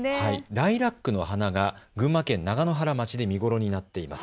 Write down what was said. ライラックの花が群馬県長野原町で見頃になっています。